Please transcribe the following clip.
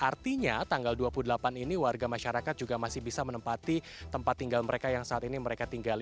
artinya tanggal dua puluh delapan ini warga masyarakat juga masih bisa menempati tempat tinggal mereka yang saat ini mereka tinggali